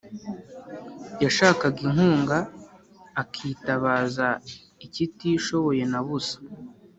yashaka inkunga, akitabaza ikitishoboye na busa;